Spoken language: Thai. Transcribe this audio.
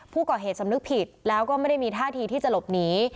ผู้ก่อเหตุสำนึกผิดแล้วก็ไม่ได้มีท่าทีที่จะหลบหนี